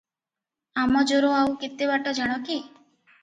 ଆମଜୋର ଆଉ କେତେ ବାଟ ଜାଣ କି?